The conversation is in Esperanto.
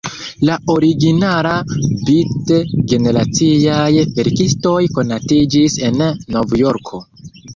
La originala "Beat"-generaciaj verkistoj konatiĝis en Novjorko.